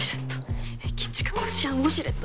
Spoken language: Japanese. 駅近こしあんウォシュレット。